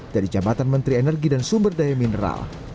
dari jabatan menteri energi dan sumber daya mineral